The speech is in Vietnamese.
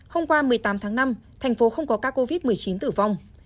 hôm qua một mươi tám tháng năm thành phố không có ca covid một mươi chín tử vong